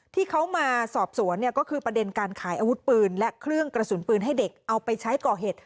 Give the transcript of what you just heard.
ที่เขามาสอบสวนก็คือประเด็นการขายอาวุธปืนและเครื่องกระสุนปืนให้เด็กเอาไปใช้ก่อเหตุ